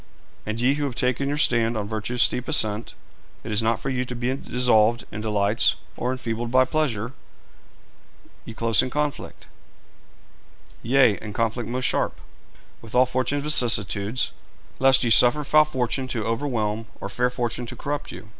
And ye who have taken your stand on virtue's steep ascent, it is not for you to be dissolved in delights or enfeebled by pleasure; ye close in conflict yea, in conflict most sharp with all fortune's vicissitudes, lest ye suffer foul fortune to overwhelm or fair fortune to corrupt you.